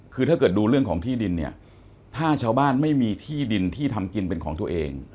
คือถ้าเกิดดูเรื่องของที่ดินเนี่ยถ้าชาวบ้านไม่มีที่ดินที่ทำกินเป็นของตัวเอง